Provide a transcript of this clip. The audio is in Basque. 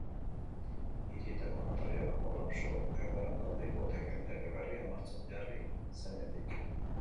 Hirietako notarioak kolapso egoeran daude hipoteken lege berria martxan jarri zenetik.